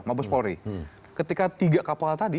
mabes polri ketika tiga kapal tadi